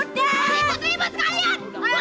kok punya acara